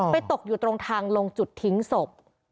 ตกอยู่ตรงทางลงจุดทิ้งศพ